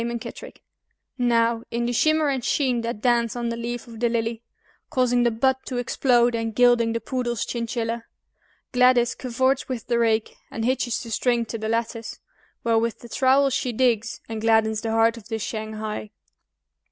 MUNKITTRICK Now, in the shimmer and sheen that dance on the leaf of the lily, Causing the bud to explode, and gilding the poodle's chinchilla, Gladys cavorts with the rake, and hitches the string to the lattice, While with the trowel she digs, and gladdens the heart of the shanghai.